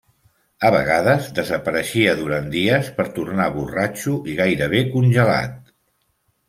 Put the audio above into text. A vegades desapareixia durant dies, per tornar borratxo i gairebé congelat.